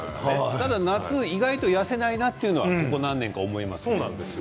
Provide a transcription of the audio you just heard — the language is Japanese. ただ、夏に意外と痩せないなというのはここ何年か思うね。